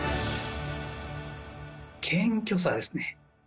謙虚さですね。